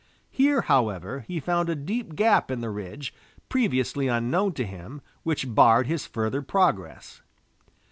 Here, however, he found a deep gap in the ridge, previously unknown to him, which barred his further progress.